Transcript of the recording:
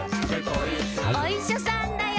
「おいしゃさんだよ」